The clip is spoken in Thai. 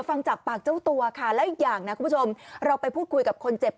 อยากให้เขาเจอบ้างว่าถ้าเขาเวิ่นใส่คนอื่นอยากให้เขารองเวิ่นใส่